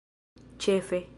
ĉefe